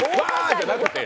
じゃなくて。